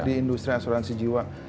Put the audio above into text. di industri asuransi jiwa